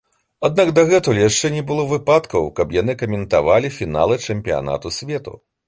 Аднак дагэтуль яшчэ не было выпадкаў, каб яны каментавалі фіналы чэмпіянату свету.